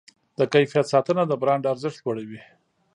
د کیفیت ساتنه د برانډ ارزښت لوړوي.